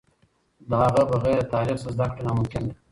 د هغه بغیر د تاریخ څخه زده کړه ناممکن ده.